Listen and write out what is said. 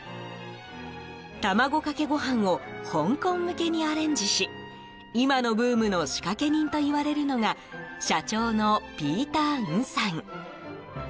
卵かけご飯を香港向けにアレンジし今のブームの仕掛け人といわれるのが社長のピーター・ンさん。